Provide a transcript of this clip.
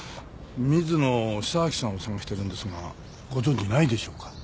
水野久明さんを捜してるんですがご存じないでしょうか？